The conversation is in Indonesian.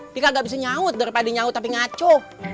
dikak gak bisa nyaut daripada nyaut tapi ngaco